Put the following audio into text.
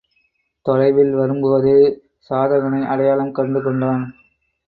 தொலைவில் வரும்போதே சாதகனை அடையாளம் கண்டு கொண்டான்.